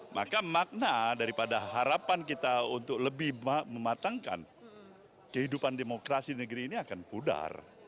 maka makna daripada harapan kita untuk lebih mematangkan kehidupan demokrasi negeri ini akan pudar